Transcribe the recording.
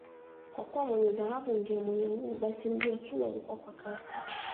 Kwa kuwa mwenye dhahabu ndiye mwenye nguvu basi mji wa Kilwa ulikua kwa kasi